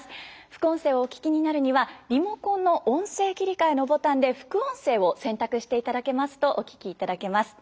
副音声をお聞きになるにはリモコンの「音声切替」のボタンで「副音声」を選択していただけますとお聞きいただけます。